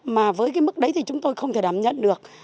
mà với cái mức đấy thì chúng tôi không thể đảm nhận được